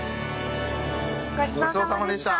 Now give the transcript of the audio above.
ごちそうさまでした！